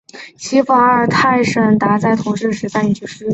其父阿尔塔什达在同治十三年去世。